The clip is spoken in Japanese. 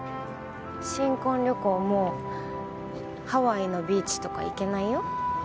新婚旅行もハワイのビーチとか行けないよ。